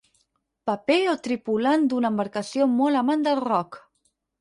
Paper o tripulant d'una embarcació molt amant del rock.